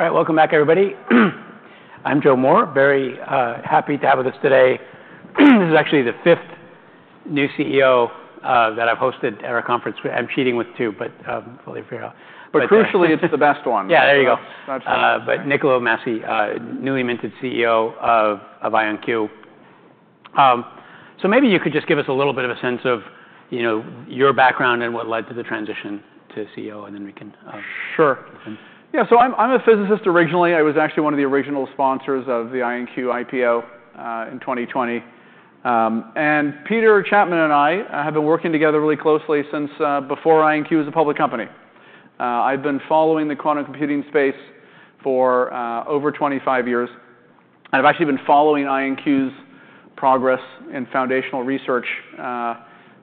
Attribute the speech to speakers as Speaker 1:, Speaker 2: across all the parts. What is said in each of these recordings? Speaker 1: All right, welcome back, everybody. I'm Joe Moore, very happy to have with us today. This is actually the fifth new CEO that I've hosted at our conference. I'm cheating with two, but we'll leave it for you.
Speaker 2: But crucially, it's the best one.
Speaker 1: Yeah, there you go. But Niccolo de Masi, newly minted CEO of IonQ. So maybe you could just give us a little bit of a sense of your background and what led to the transition to CEO, and then we can.
Speaker 2: Sure. Yeah, so I'm a physicist originally. I was actually one of the original sponsors of the IonQ IPO in 2020. Peter Chapman and I have been working together really closely since before IonQ was a public company. I've been following the quantum computing space for over 25 years. I've actually been following IonQ's progress in foundational research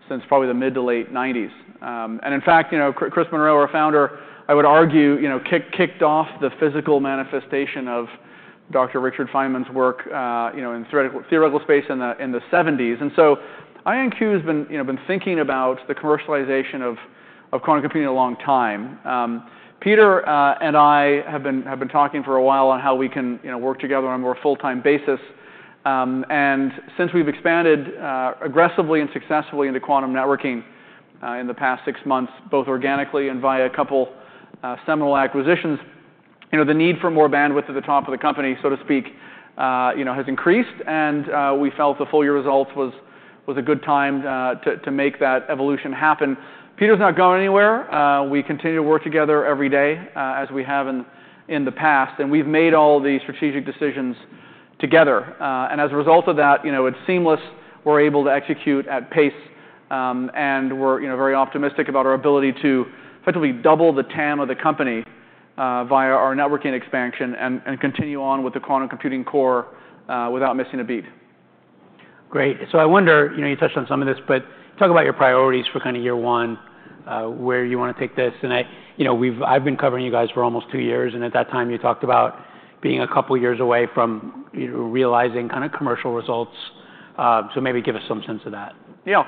Speaker 2: since probably the mid- to late 1990s. In fact, Chris Monroe, our founder, I would argue, kicked off the physical manifestation of Dr. Richard Feynman's work in the theoretical space in the 1970s. IonQ has been thinking about the commercialization of quantum computing a long time. Peter and I have been talking for a while on how we can work together on a more full-time basis. And since we've expanded aggressively and successfully into quantum networking in the past six months, both organically and via a couple seminal acquisitions, the need for more bandwidth at the top of the company, so to speak, has increased. And we felt the full year result was a good time to make that evolution happen. Peter's not going anywhere. We continue to work together every day as we have in the past. And we've made all the strategic decisions together. And as a result of that, it's seamless. We're able to execute at pace. And we're very optimistic about our ability to effectively double the TAM of the company via our networking expansion and continue on with the quantum computing core without missing a beat.
Speaker 1: Great. So I wonder, you touched on some of this, but talk about your priorities for kind of year one, where you want to take this. And I've been covering you guys for almost two years. And at that time, you talked about being a couple of years away from realizing kind of commercial results. So maybe give us some sense of that.
Speaker 2: Yeah.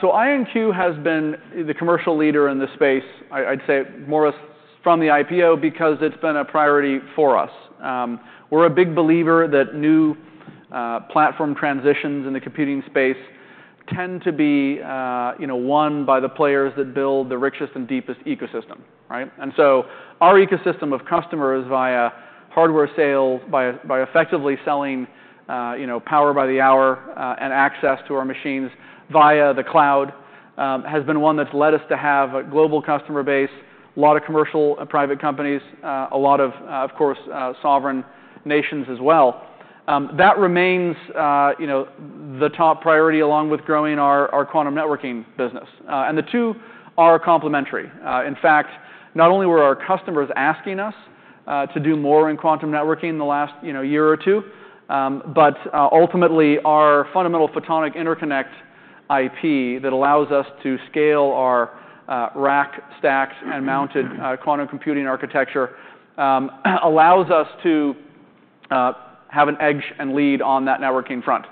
Speaker 2: So IonQ has been the commercial leader in the space, I'd say, more from the IPO because it's been a priority for us. We're a big believer that new platform transitions in the computing space tend to be won by the players that build the richest and deepest ecosystem. And so our ecosystem of customers via hardware sales, by effectively selling power by the hour and access to our machines via the cloud, has been one that's led us to have a global customer base, a lot of commercial and private companies, a lot of, of course, sovereign nations as well. That remains the top priority along with growing our quantum networking business. And the two are complementary. In fact, not only were our customers asking us to do more in quantum networking in the last year or two, but ultimately, our fundamental photonic interconnect IP that allows us to scale our rack, stacked, and mounted quantum computing architecture allows us to have an edge and lead on that networking front,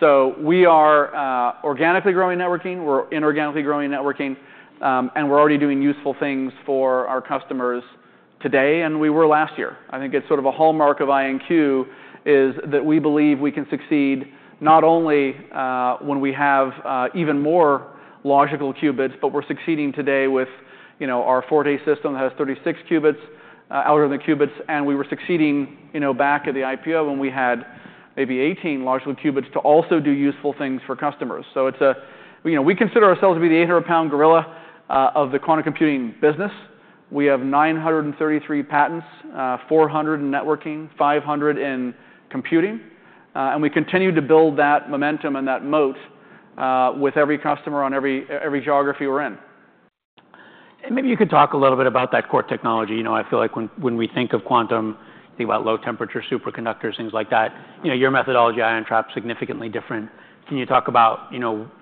Speaker 2: so we are organically growing networking. We're inorganically growing networking, and we're already doing useful things for our customers today and we were last year. I think it's sort of a hallmark of IonQ is that we believe we can succeed not only when we have even more logical qubits, but we're succeeding today with our Forte system that has 36 qubits, algorithmic qubits. And we were succeeding back at the IPO when we had maybe 18 logical qubits to also do useful things for customers. We consider ourselves to be the 800-pound gorilla of the quantum computing business. We have 933 patents, 400 in networking, 500 in computing. We continue to build that momentum and that moat with every customer on every geography we're in.
Speaker 1: Maybe you could talk a little bit about that core technology. I feel like when we think of quantum, think about low-temperature superconductors, things like that, your methodology, ion trap, is significantly different. Can you talk about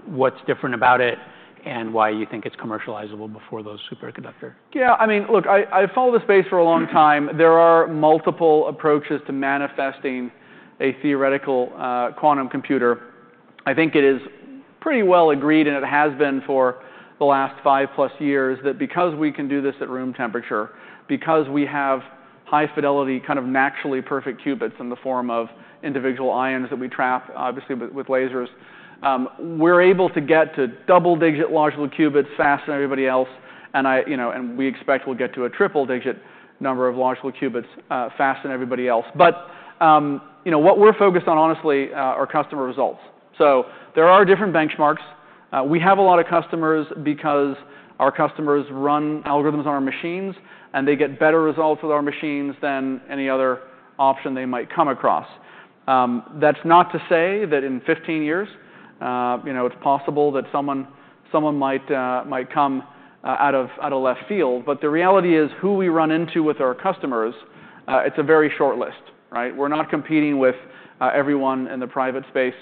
Speaker 1: what's different about it and why you think it's commercializable before those superconductors?
Speaker 2: Yeah. I mean, look, I follow the space for a long time. There are multiple approaches to manifesting a theoretical quantum computer. I think it is pretty well agreed, and it has been for the last five-plus years, that because we can do this at room temperature, because we have high-fidelity, kind of naturally perfect qubits in the form of individual ions that we trap, obviously, with lasers, we're able to get to double-digit logical qubits faster than everybody else. And we expect we'll get to a triple-digit number of logical qubits faster than everybody else. But what we're focused on, honestly, are customer results. So there are different benchmarks. We have a lot of customers because our customers run algorithms on our machines, and they get better results with our machines than any other option they might come across. That's not to say that in 15 years, it's possible that someone might come out of left field. But the reality is who we run into with our customers, it's a very short list. We're not competing with everyone in the private space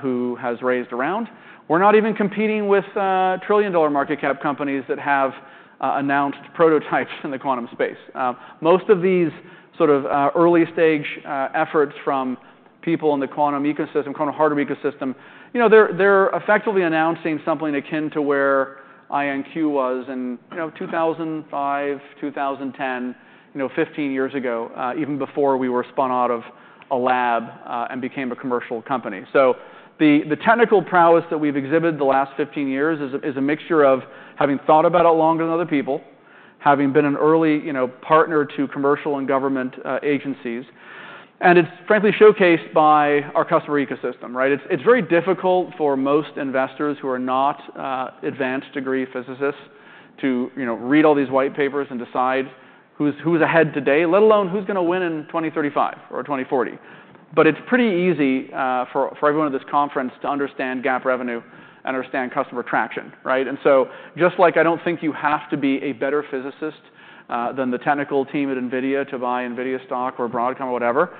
Speaker 2: who has raised around. We're not even competing with trillion-dollar market cap companies that have announced prototypes in the quantum space. Most of these sort of early-stage efforts from people in the quantum ecosystem, quantum hardware ecosystem, they're effectively announcing something akin to where IonQ was in 2005, 2010, 15 years ago, even before we were spun out of a lab and became a commercial company. So the technical prowess that we've exhibited the last 15 years is a mixture of having thought about it longer than other people, having been an early partner to commercial and government agencies. And it's, frankly, showcased by our customer ecosystem. It's very difficult for most investors who are not advanced-degree physicists to read all these white papers and decide who's ahead today, let alone who's going to win in 2035 or 2040. But it's pretty easy for everyone at this conference to understand GAAP revenue and understand customer traction. And so just like I don't think you have to be a better physicist than the technical team at NVIDIA to buy NVIDIA stock or Broadcom or whatever,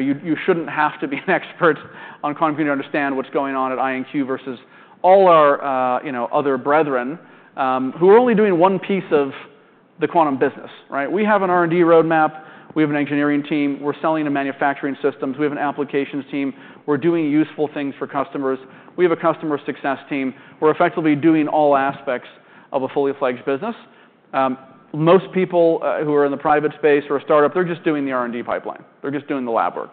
Speaker 2: you shouldn't have to be an expert on quantum computing to understand what's going on at IonQ versus all our other brethren who are only doing one piece of the quantum business. We have an R&D roadmap. We have an engineering team. We're selling to manufacturing systems. We have an applications team. We're doing useful things for customers. We have a customer success team. We're effectively doing all aspects of a fully-fledged business. Most people who are in the private space or a startup, they're just doing the R&D pipeline. They're just doing the lab work.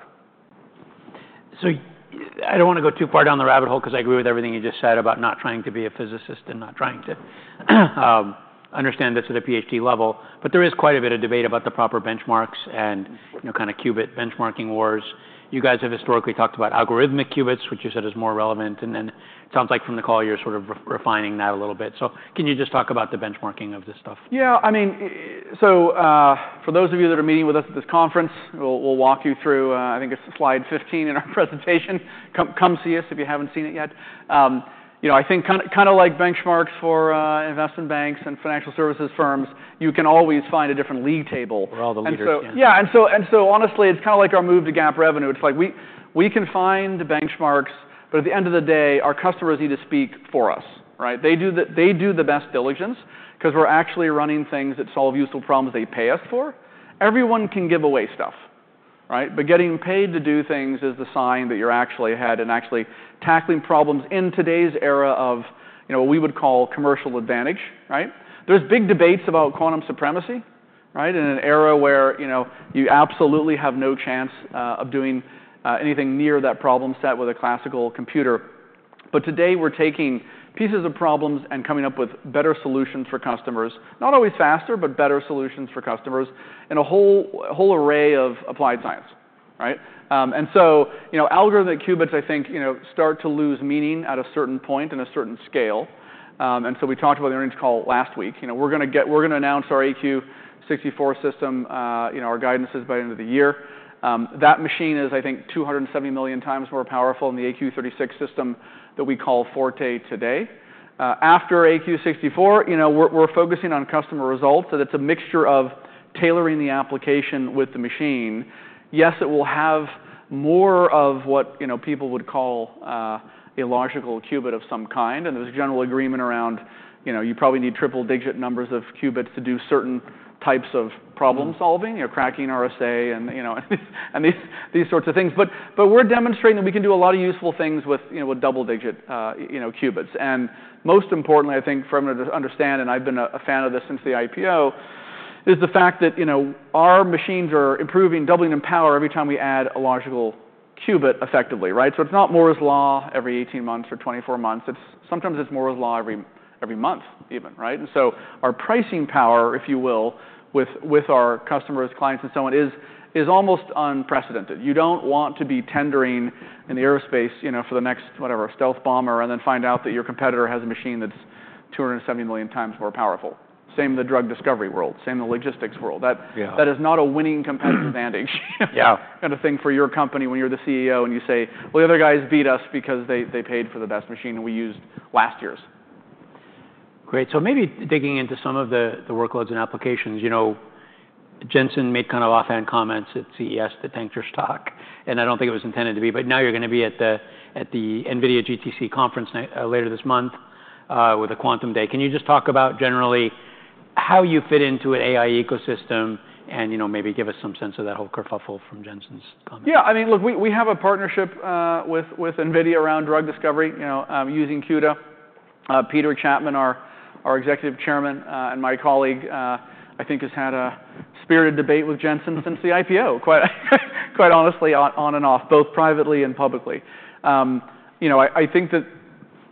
Speaker 1: So I don't want to go too far down the rabbit hole because I agree with everything you just said about not trying to be a physicist and not trying to understand this at a PhD level. But there is quite a bit of debate about the proper benchmarks and kind of qubit benchmarking wars. You guys have historically talked about algorithmic qubits, which you said is more relevant. And then it sounds like from the call, you're sort of refining that a little bit. So can you just talk about the benchmarking of this stuff?
Speaker 2: Yeah. I mean, so for those of you that are meeting with us at this conference, we'll walk you through, I think, it's slide 15 in our presentation. Come see us if you haven't seen it yet. I think kind of like benchmarks for investment banks and financial services firms, you can always find a different league table.
Speaker 1: We're all the leaders.
Speaker 2: Yeah. And so honestly, it's kind of like our move to GAAP revenue. It's like we can find the benchmarks, but at the end of the day, our customers need to speak for us. They do the best diligence because we're actually running things that solve useful problems they pay us for. Everyone can give away stuff. But getting paid to do things is the sign that you're actually ahead and actually tackling problems in today's era of what we would call commercial advantage. There's big debates about quantum supremacy in an era where you absolutely have no chance of doing anything near that problem set with a classical computer. But today, we're taking pieces of problems and coming up with better solutions for customers, not always faster, but better solutions for customers in a whole array of applied science. Algorithmic qubits, I think, start to lose meaning at a certain point and a certain scale. We talked about the earnings call last week. We're going to announce our AQ 64 system. Our guidance is by the end of the year. That machine is, I think, 270 million times more powerful than the AQ 36 system that we call Forte today. After AQ 64, we're focusing on customer results. It's a mixture of tailoring the application with the machine. Yes, it will have more of what people would call a logical qubit of some kind. There's a general agreement around you probably need triple-digit numbers of qubits to do certain types of problem-solving, cracking RSA, and these sorts of things. We're demonstrating that we can do a lot of useful things with double-digit qubits. And most importantly, I think, for everyone to understand, and I've been a fan of this since the IPO, is the fact that our machines are improving, doubling in power every time we add a logical qubit effectively. So it's not Moore's Law every 18 months or 24 months. Sometimes it's Moore's Law every month, even. And so our pricing power, if you will, with our customers, clients, and so on, is almost unprecedented. You don't want to be tendering in the aerospace for the next, whatever, stealth bomber and then find out that your competitor has a machine that's 270 million times more powerful. Same in the drug discovery world. Same in the logistics world. That is not a winning competitive advantage.
Speaker 1: Yeah.
Speaker 2: Kind of thing for your company when you're the CEO and you say, well, the other guys beat us because they paid for the best machine we used last year's.
Speaker 1: Great. So maybe digging into some of the workloads and applications, Jensen made kind of offhand comments at CES that tanked your stock. And I don't think it was intended to be. But now you're going to be at the NVIDIA GTC conference later this month with a quantum day. Can you just talk about generally how you fit into an AI ecosystem and maybe give us some sense of that whole kerfuffle from Jensen's comments?
Speaker 2: Yeah. I mean, look, we have a partnership with NVIDIA around drug discovery using CUDA. Peter Chapman, our Executive Chairman and my colleague, I think, has had a spirited debate with Jensen since the IPO, quite honestly, on and off, both privately and publicly. I think that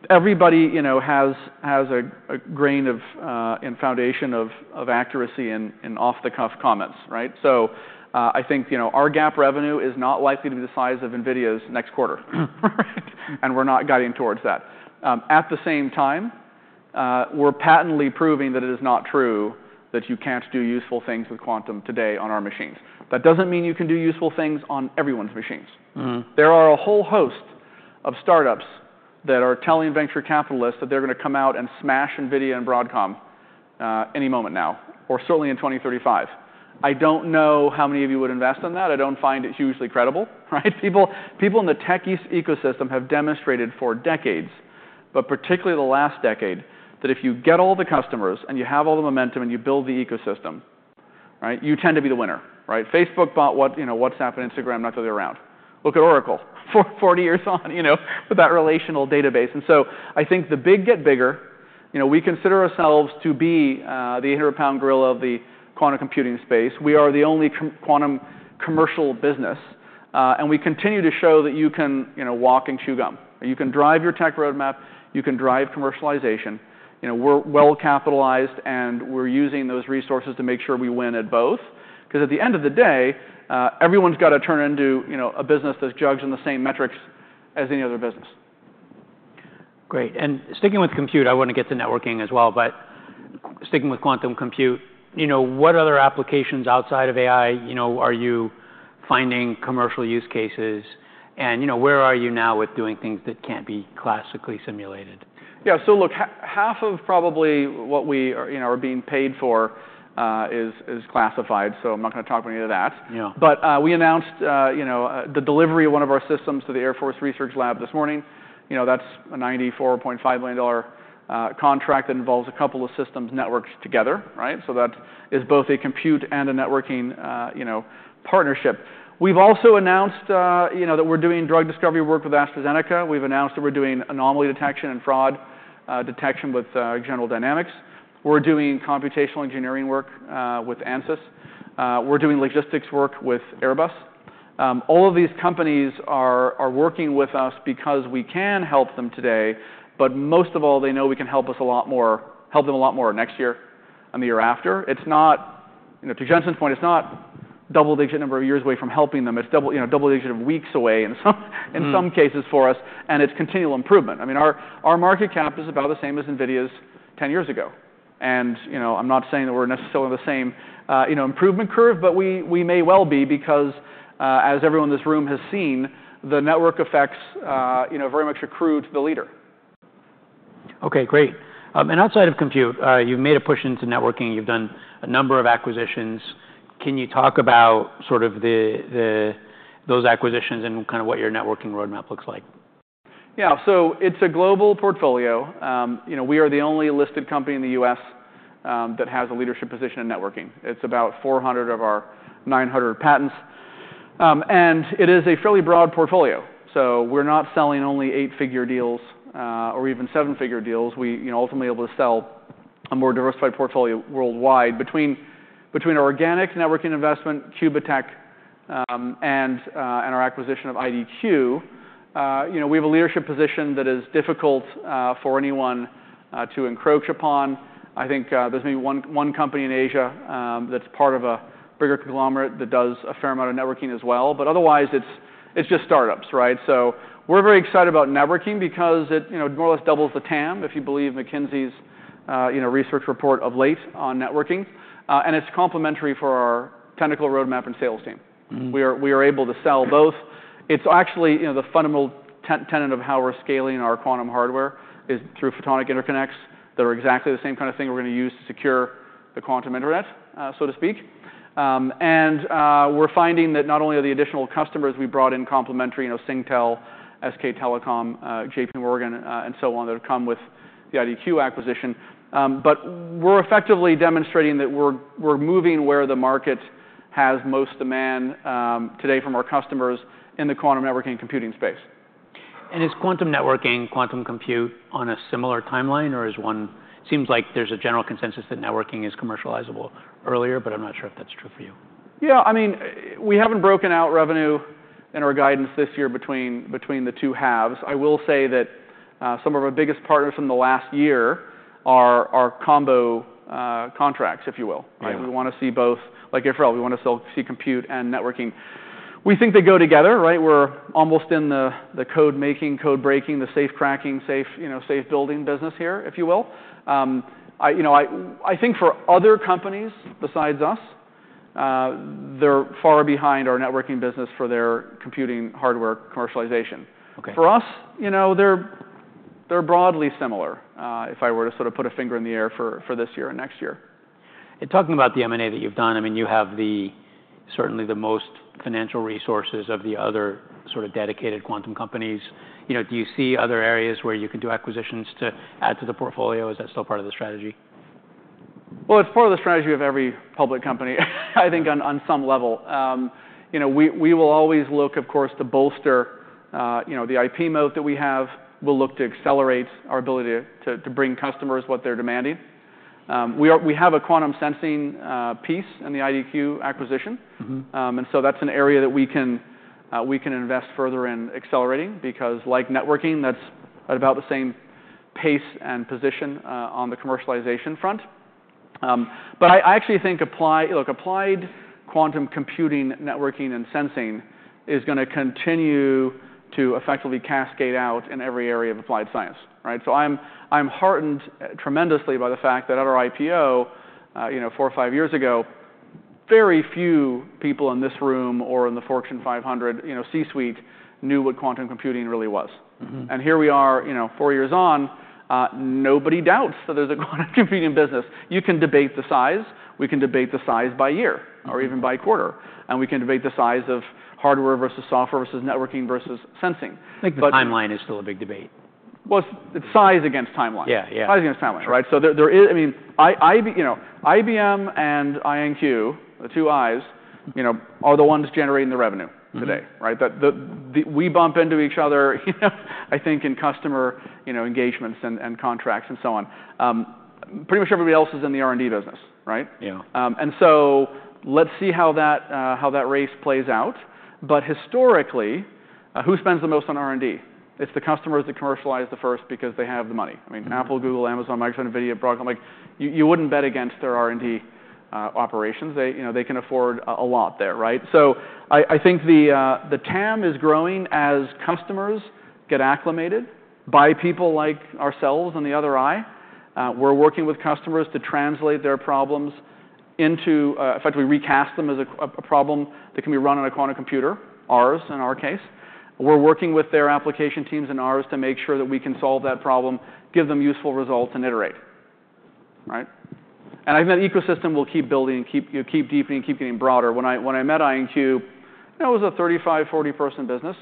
Speaker 2: everybody has a grain of foundation of accuracy in off-the-cuff comments. So I think our GAAP revenue is not likely to be the size of NVIDIA's next quarter, and we're not guiding towards that. At the same time, we're patently proving that it is not true that you can't do useful things with quantum today on our machines. That doesn't mean you can do useful things on everyone's machines. There are a whole host of startups that are telling venture capitalists that they're going to come out and smash NVIDIA and Broadcom any moment now, or certainly in 2035. I don't know how many of you would invest in that. I don't find it hugely credible. People in the tech ecosystem have demonstrated for decades, but particularly the last decade, that if you get all the customers and you have all the momentum and you build the ecosystem, you tend to be the winner. Facebook bought WhatsApp and Instagram not till they were around. Look at Oracle 40 years on with that relational database, and so I think the big get bigger. We consider ourselves to be the 800-pound gorilla of the quantum computing space. We are the only quantum commercial business. And we continue to show that you can walk and chew gum. You can drive your tech roadmap. You can drive commercialization. We're well capitalized, and we're using those resources to make sure we win at both. Because at the end of the day, everyone's got to turn into a business that's judged on the same metrics as any other business.
Speaker 1: Great. And sticking with compute, I want to get to networking as well. But sticking with quantum compute, what other applications outside of AI are you finding commercial use cases? And where are you now with doing things that can't be classically simulated?
Speaker 2: Yeah. So look, half of probably what we are being paid for is classified. So I'm not going to talk about any of that, but we announced the delivery of one of our systems to the Air Force Research Lab this morning. That's a $94.5 million contract that involves a couple of systems networked together. So that is both a compute and a networking partnership. We've also announced that we're doing drug discovery work with AstraZeneca. We've announced that we're doing anomaly detection and fraud detection with General Dynamics. We're doing computational engineering work with Ansys. We're doing logistics work with Airbus. All of these companies are working with us because we can help them today, but most of all, they know we can help them a lot more next year and the year after. To Jensen's point, it's not a double-digit number of years away from helping them. It's a double-digit of weeks away in some cases for us, and it's continual improvement. I mean, our market cap is about the same as NVIDIA's 10 years ago, and I'm not saying that we're necessarily on the same improvement curve, but we may well be because, as everyone in this room has seen, the network effects very much accrue to the leader.
Speaker 1: OK, great. And outside of compute, you've made a push into networking. You've done a number of acquisitions. Can you talk about sort of those acquisitions and kind of what your networking roadmap looks like?
Speaker 2: Yeah. So it's a global portfolio. We are the only listed company in the U.S. that has a leadership position in networking. It's about 400 of our 900 patents. And it is a fairly broad portfolio. So we're not selling only eight-figure deals or even seven-figure deals. We're ultimately able to sell a more diversified portfolio worldwide. Between our organic networking investment, Qubitekk, and our acquisition of IDQ, we have a leadership position that is difficult for anyone to encroach upon. I think there's maybe one company in Asia that's part of a bigger conglomerate that does a fair amount of networking as well. But otherwise, it's just startups. So we're very excited about networking because it more or less doubles the TAM, if you believe McKinsey's research report of late on networking. And it's complementary for our technical roadmap and sales team. We are able to sell both. It's actually the fundamental tenet of how we're scaling our quantum hardware is through photonic interconnects that are exactly the same kind of thing we're going to use to secure the quantum internet, so to speak, and we're finding that not only are the additional customers we brought in complementary Singtel, SK Telecom, JPMorgan, and so on that have come with the IDQ acquisition, but we're effectively demonstrating that we're moving where the market has most demand today from our customers in the quantum networking and computing space.
Speaker 1: Is quantum networking, quantum computing on a similar timeline? Or seems like there's a general consensus that networking is commercializable earlier, but I'm not sure if that's true for you.
Speaker 2: Yeah. I mean, we haven't broken out revenue in our guidance this year between the two halves. I will say that some of our biggest partners from the last year are combo contracts, if you will. We want to see both, like Israel, we want to see compute and networking. We think they go together. We're almost in the code-making, code-breaking, the safe cracking, safe building business here, if you will. I think for other companies besides us, they're far behind our networking business for their computing hardware commercialization. For us, they're broadly similar if I were to sort of put a finger in the air for this year and next year.
Speaker 1: Talking about the M&A that you've done, I mean, you have certainly the most financial resources of the other sort of dedicated quantum companies. Do you see other areas where you can do acquisitions to add to the portfolio? Is that still part of the strategy?
Speaker 2: It's part of the strategy of every public company, I think, on some level. We will always look, of course, to bolster the IP moat that we have. We'll look to accelerate our ability to bring customers what they're demanding. We have a quantum sensing piece in the IDQ acquisition. So that's an area that we can invest further in accelerating because, like networking, that's at about the same pace and position on the commercialization front. I actually think applied quantum computing, networking, and sensing is going to continue to effectively cascade out in every area of applied science. I'm heartened tremendously by the fact that at our IPO four or five years ago, very few people in this room or in the Fortune 500 C-suite knew what quantum computing really was. And here we are, four years on. Nobody doubts that there's a quantum computing business. You can debate the size. We can debate the size by year or even by quarter. And we can debate the size of hardware versus software versus networking versus sensing.
Speaker 1: I think the timeline is still a big debate.
Speaker 2: It's size against timeline.
Speaker 1: Yeah, yeah.
Speaker 2: Size against timeline, so IBM and IonQ, the two I's, are the ones generating the revenue today. We bump into each other, I think, in customer engagements and contracts and so on. Pretty much everybody else is in the R&D business, and so let's see how that race plays out. But historically, who spends the most on R&D? It's the customers that commercialize the first because they have the money. I mean, Apple, Google, Amazon, Microsoft, NVIDIA, Broadcom, you wouldn't bet against their R&D operations. They can afford a lot there. So I think the TAM is growing as customers get acclimated by people like ourselves and the other I. We're working with customers to translate their problems into, effectively, recast them as a problem that can be run on a quantum computer, ours in our case. We're working with their application teams and ours to make sure that we can solve that problem, give them useful results, and iterate, and I think that ecosystem will keep building and keep deepening and keep getting broader. When I met IonQ, it was a 35, 40-person business.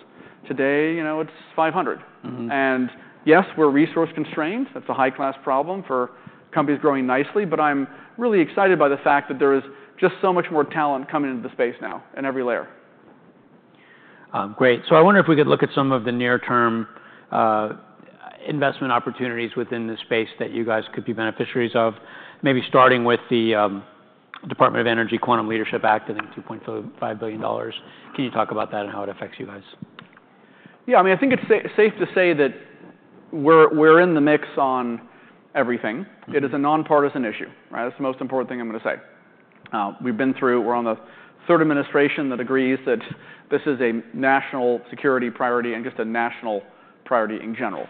Speaker 2: Today, it's 500, and yes, we're resource constrained. That's a high-class problem for companies growing nicely, but I'm really excited by the fact that there is just so much more talent coming into the space now in every layer.
Speaker 1: Great. So I wonder if we could look at some of the near-term investment opportunities within the space that you guys could be beneficiaries of, maybe starting with the Department of Energy Quantum Leadership Act, I think $2.5 billion. Can you talk about that and how it affects you guys?
Speaker 2: Yeah. I mean, I think it's safe to say that we're in the mix on everything. It is a nonpartisan issue. That's the most important thing I'm going to say. We've been through. We're on the third administration that agrees that this is a national security priority and just a national priority in general.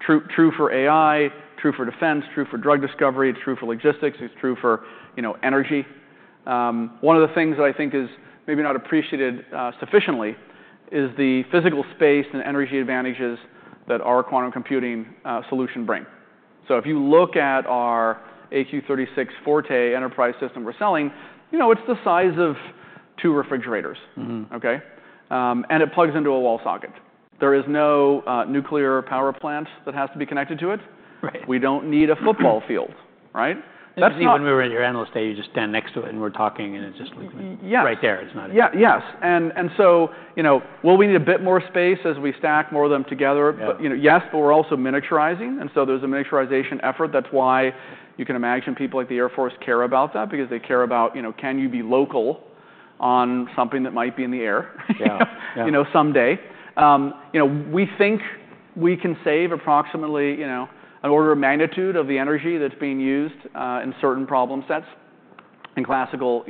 Speaker 2: True for AI, true for defense, true for drug discovery, true for logistics, it's true for energy. One of the things that I think is maybe not appreciated sufficiently is the physical space and energy advantages that our quantum computing solution brings. So if you look at our AQ 36 Forte enterprise system we're selling, it's the size of two refrigerators. And it plugs into a wall socket. There is no nuclear power plant that has to be connected to it. We don't need a football field.
Speaker 1: And see, when we were in your analyst day, you just stand next to it and we're talking, and it just looked right there. It's not.
Speaker 2: Yeah, yes. And so will we need a bit more space as we stack more of them together? Yes, but we're also miniaturizing. And so there's a miniaturization effort. That's why you can imagine people like the Air Force care about that because they care about, can you be local on something that might be in the air someday? We think we can save approximately an order of magnitude of the energy that's being used in certain problem sets in classical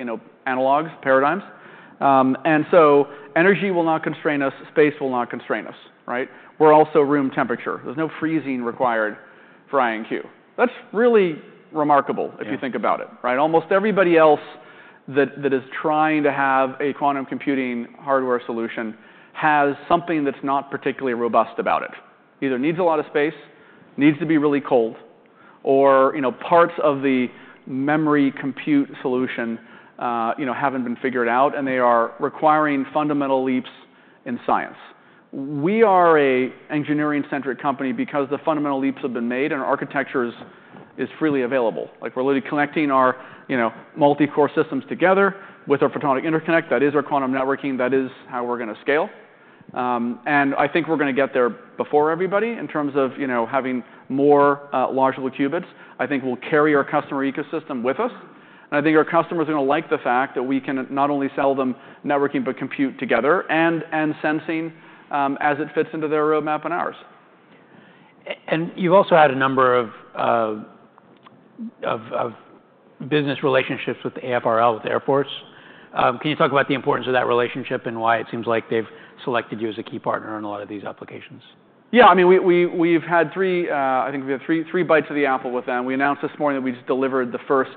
Speaker 2: analogs paradigms. And so energy will not constrain us. Space will not constrain us. We're also room temperature. There's no freezing required for IonQ. That's really remarkable if you think about it. Almost everybody else that is trying to have a quantum computing hardware solution has something that's not particularly robust about it. Either needs a lot of space, needs to be really cold, or parts of the memory compute solution haven't been figured out, and they are requiring fundamental leaps in science. We are an engineering-centric company because the fundamental leaps have been made and our architecture is freely available. We're really connecting our multi-core systems together with our photonic interconnect. That is our quantum networking. That is how we're going to scale. And I think we're going to get there before everybody in terms of having more logical qubits. I think we'll carry our customer ecosystem with us. And I think our customers are going to like the fact that we can not only sell them networking but compute together and sensing as it fits into their roadmap and ours.
Speaker 1: You've also had a number of business relationships with AFRL, with Air Force. Can you talk about the importance of that relationship and why it seems like they've selected you as a key partner in a lot of these applications?
Speaker 2: Yeah. I mean, I think we've had three bites of the apple with them. We announced this morning that we just delivered the first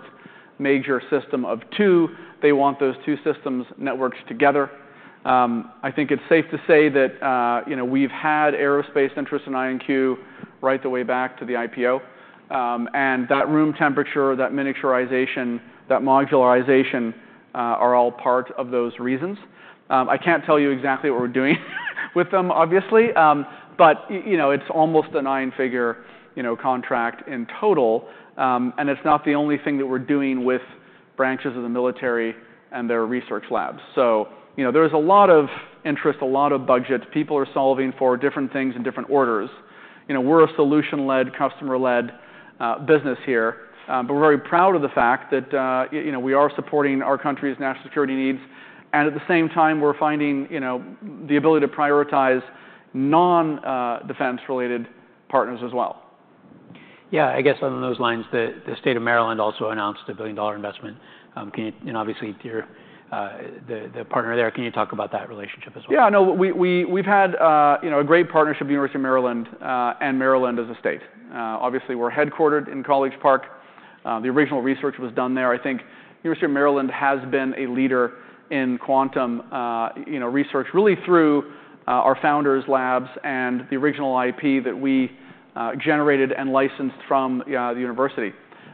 Speaker 2: major system of two. They want those two systems networked together. I think it's safe to say that we've had aerospace interest in IonQ right the way back to the IPO. And that room temperature, that miniaturization, that modularization are all part of those reasons. I can't tell you exactly what we're doing with them, obviously. But it's almost a nine-figure contract in total. And it's not the only thing that we're doing with branches of the military and their research labs. So there is a lot of interest, a lot of budget. People are solving for different things in different orders. We're a solution-led, customer-led business here. But we're very proud of the fact that we are supporting our country's national security needs. And at the same time, we're finding the ability to prioritize non-defense-related partners as well.
Speaker 1: Yeah, I guess on those lines, the state of Maryland also announced a $1 billion investment. And obviously, the partner there, can you talk about that relationship as well?
Speaker 2: Yeah. No, we've had a great partnership with the University of Maryland and Maryland as a state. Obviously, we're headquartered in College Park. The original research was done there. I think the University of Maryland has been a leader in quantum research really through our founders' labs and the original IP that we generated and licensed from the university.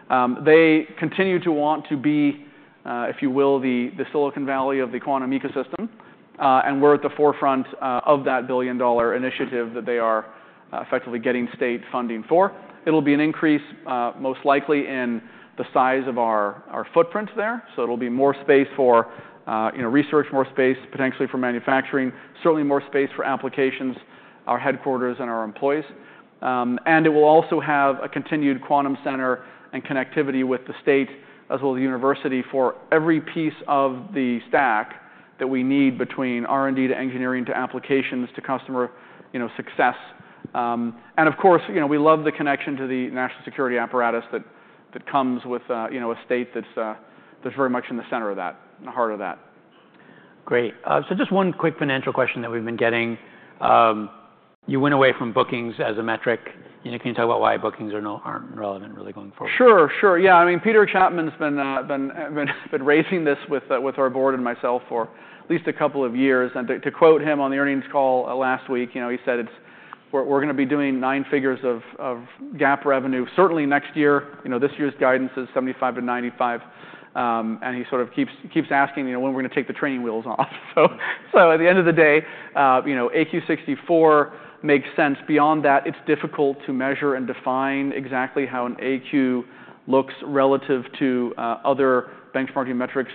Speaker 2: They continue to want to be, if you will, the Silicon Valley of the quantum ecosystem, and we're at the forefront of that billion-dollar initiative that they are effectively getting state funding for. It'll be an increase most likely in the size of our footprint there, so it'll be more space for research, more space potentially for manufacturing, certainly more space for applications, our headquarters, and our employees. And it will also have a continued quantum center and connectivity with the state as well as the university for every piece of the stack that we need between R&D to engineering to applications to customer success. And of course, we love the connection to the national security apparatus that comes with a state that's very much in the center of that, in the heart of that.
Speaker 1: Great. So just one quick financial question that we've been getting. You went away from bookings as a metric. Can you talk about why bookings aren't relevant really going forward?
Speaker 2: Sure, sure. Yeah. I mean, Peter Chapman's been raising this with our board and myself for at least a couple of years. To quote him on the earnings call last week, he said, "We're going to be doing nine figures of GAAP revenue certainly next year. This year's guidance is 75-95." He sort of keeps asking, "When are we going to take the training wheels off?" At the end of the day, AQ 64 makes sense. Beyond that, it's difficult to measure and define exactly how an AQ looks relative to other benchmarking metrics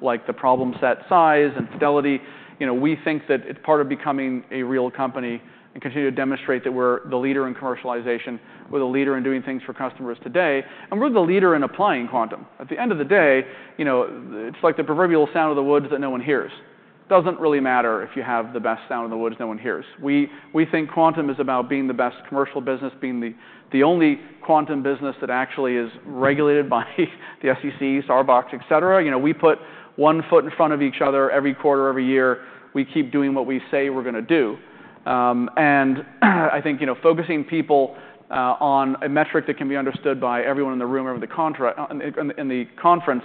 Speaker 2: like the problem set size and fidelity. We think that it's part of becoming a real company and continue to demonstrate that we're the leader in commercialization. We're the leader in doing things for customers today. We're the leader in applying quantum. At the end of the day, it's like the proverbial sound of the woods that no one hears. It doesn't really matter if you have the best sound of the woods no one hears. We think quantum is about being the best commercial business, being the only quantum business that actually is regulated by the SEC, Starbucks, et cetera. We put one foot in front of each other every quarter, every year. We keep doing what we say we're going to do, and I think focusing people on a metric that can be understood by everyone in the room or in the conference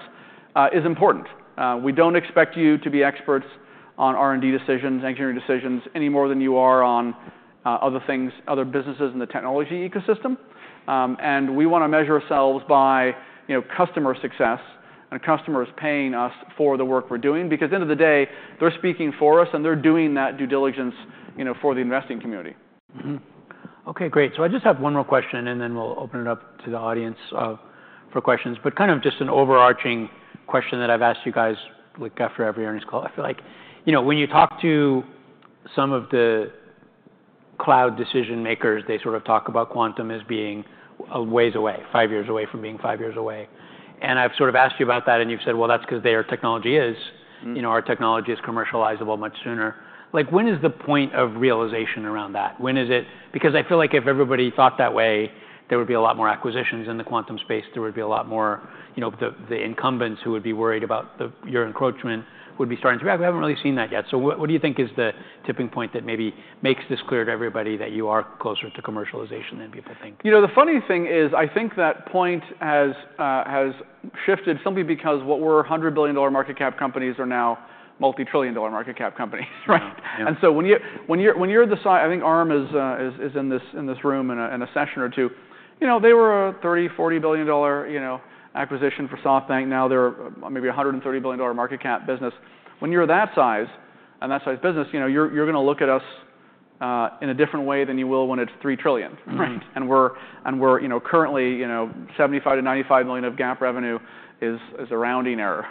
Speaker 2: is important. We don't expect you to be experts on R&D decisions, engineering decisions any more than you are on other things, other businesses in the technology ecosystem. We want to measure ourselves by customer success and customers paying us for the work we're doing because at the end of the day, they're speaking for us and they're doing that due diligence for the investing community.
Speaker 1: OK, great. So I just have one more question, and then we'll open it up to the audience for questions. But kind of just an overarching question that I've asked you guys after every earnings call, I feel like when you talk to some of the cloud decision makers, they sort of talk about quantum as being five years away from being five years away. And I've sort of asked you about that, and you've said, "Well, that's because their technology is. Our technology is commercializable much sooner." When is the point of realization around that? Because I feel like if everybody thought that way, there would be a lot more acquisitions in the quantum space. There would be a lot more the incumbents who would be worried about your encroachment would be starting to react. We haven't really seen that yet. So what do you think is the tipping point that maybe makes this clear to everybody that you are closer to commercialization than people think?
Speaker 2: You know, the funny thing is I think that point has shifted simply because what were $100 billion market cap companies are now multi-trillion-dollar market cap companies. And so when you're at the I think Arm is in this room in a session or two. They were a $30 billion-$40 billion acquisition for SoftBank. Now they're maybe a $130 billion market cap business. When you're that size and that size business, you're going to look at us in a different way than you will when it's $3 trillion. And we're currently $75 million-$95 million of GAAP revenue is a rounding error.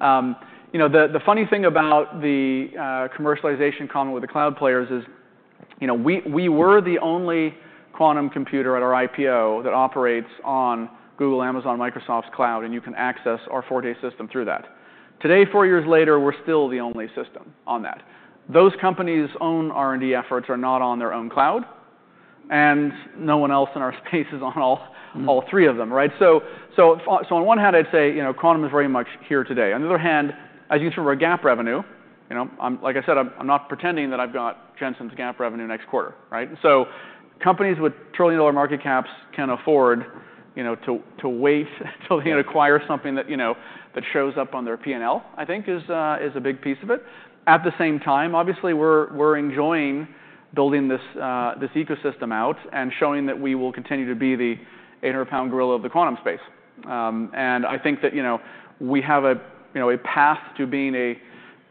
Speaker 2: The funny thing about the commercialization comment with the cloud players is we were the only quantum computer at our IPO that operates on Google, Amazon, Microsoft's cloud, and you can access our Forte system through that. Today, four years later, we're still the only system on that. Those companies' own R&D efforts are not on their own cloud, and no one else in our space is on all three of them. So on one hand, I'd say quantum is very much here today. On the other hand, as you can see from our GAAP revenue, like I said, I'm not pretending that I've got Jensen's GAAP revenue next quarter. So companies with trillion-dollar market caps can afford to wait until they acquire something that shows up on their P&L, I think, is a big piece of it. At the same time, obviously, we're enjoying building this ecosystem out and showing that we will continue to be the 800-pound gorilla of the quantum space. And I think that we have a path to being a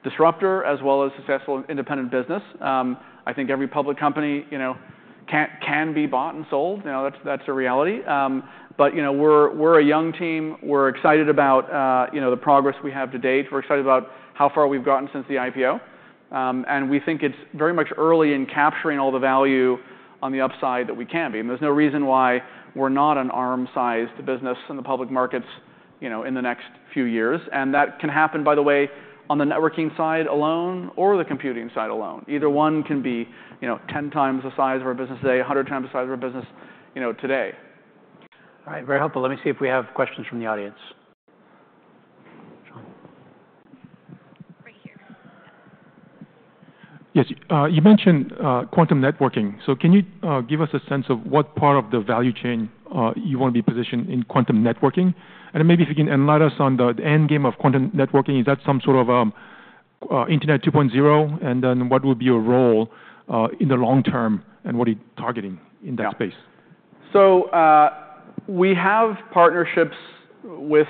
Speaker 2: disruptor as well as a successful independent business. I think every public company can be bought and sold. That's a reality. But we're a young team. We're excited about the progress we have to date. We're excited about how far we've gotten since the IPO. And we think it's very much early in capturing all the value on the upside that we can be. And there's no reason why we're not an Arm-sized business in the public markets in the next few years. And that can happen, by the way, on the networking side alone or the computing side alone. Either one can be 10x the size of our business today, 100 times the size of our business today.
Speaker 1: All right, very helpful. Let me see if we have questions from the audience.
Speaker 3: Right here.
Speaker 4: Yes. You mentioned quantum networking. So can you give us a sense of what part of the value chain you want to be positioned in quantum networking? And maybe if you can enlighten us on the end game of quantum networking? Is that some sort of Internet 2.0? And then what will be your role in the long term and what are you targeting in that space?
Speaker 2: Yeah. So we have partnerships with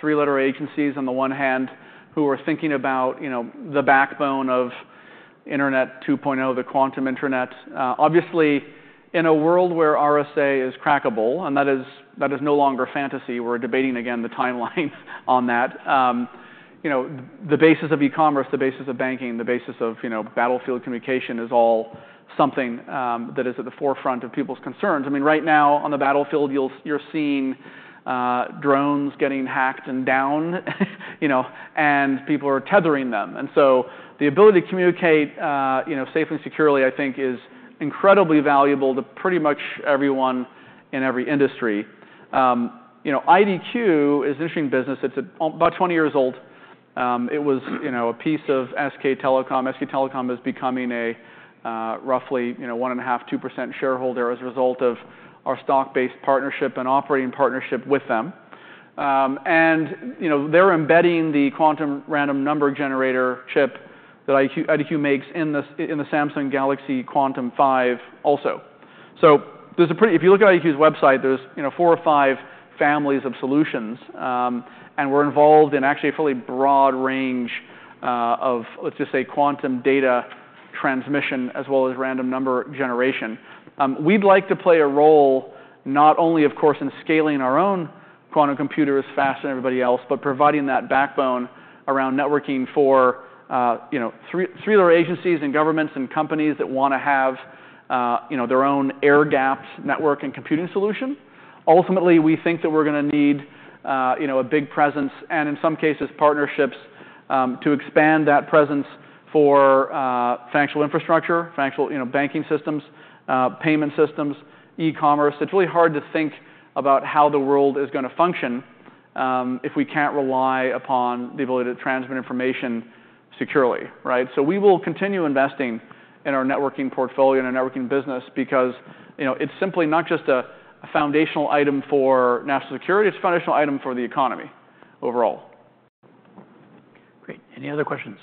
Speaker 2: three-letter agencies on the one hand who are thinking about the backbone of Internet 2.0, the quantum internet. Obviously, in a world where RSA is crackable, and that is no longer a fantasy, we're debating again the timeline on that. The basis of e-commerce, the basis of banking, the basis of battlefield communication is all something that is at the forefront of people's concerns. I mean, right now on the battlefield, you're seeing drones getting hacked and down, and people are tethering them. And so the ability to communicate safely and securely, I think, is incredibly valuable to pretty much everyone in every industry. IDQ is an interesting business. It's about 20 years old. It was a piece of SK Telecom. SK Telecom is becoming a roughly 1.5%, 2% shareholder as a result of our stock-based partnership and operating partnership with them. And they're embedding the quantum random number generator chip that IDQ makes in the Samsung Galaxy Quantum 5 also. So if you look at IDQ's website, there's four or five families of solutions. And we're involved in actually a fairly broad range of, let's just say, quantum data transmission as well as random number generation. We'd like to play a role not only, of course, in scaling our own quantum computers faster than everybody else, but providing that backbone around networking for three-letter agencies and governments and companies that want to have their own air-gapped network and computing solution. Ultimately, we think that we're going to need a big presence and, in some cases, partnerships to expand that presence for financial infrastructure, financial banking systems, payment systems, e-commerce. It's really hard to think about how the world is going to function if we can't rely upon the ability to transmit information securely, so we will continue investing in our networking portfolio and our networking business because it's simply not just a foundational item for national security. It's a foundational item for the economy overall.
Speaker 1: Great. Any other questions?